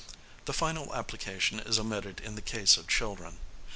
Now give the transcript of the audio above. The final application is omitted in the case of children.